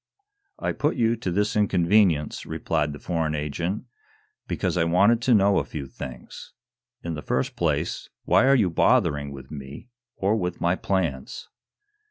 "I put you to this inconvenience," replied the foreign agent, "because I wanted to know a few things. In the first place, why are you bothering with me, or with my plans?"